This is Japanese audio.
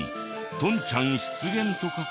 とんちゃんか？